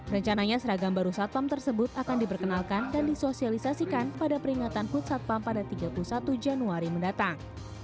rencananya seragam baru satpam tersebut akan diperkenalkan dan disosialisasikan pada peringatan kut satpam pada tiga puluh satu januari mendatang